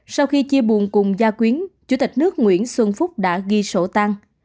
sau khi chia buồn cùng gia quyến chủ tịch nước nguyễn xuân phúc đã ghi sổ tang